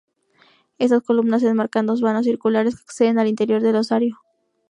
Estas columnas enmarcan dos vanos circulares que acceden al interior del osario.